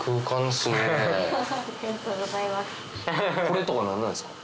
これとか何なんですか？